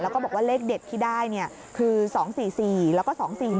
แล้วก็บอกว่าเลขเด็ดที่ได้คือ๒๔๔แล้วก็๒๔๑